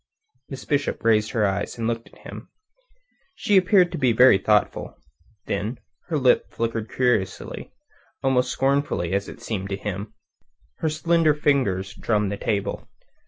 Miss Bishop raised her eyes, and looked at him. She appeared to be very thoughtful. Then her lip flickered curiously, almost scornfully, it seemed to him. Her slender fingers drummed the table.